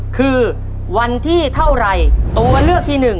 คือวันที่เท่าไหร่ตัวเลือกที่หนึ่ง